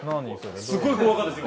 すごい怖かったです